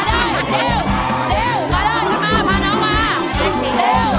วันนี้